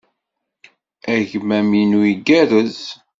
Agmam-inu igerrez.